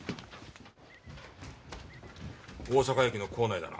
大阪駅の構内だな。